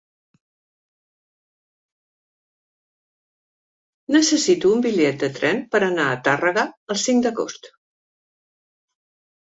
Necessito un bitllet de tren per anar a Tàrrega el cinc d'agost.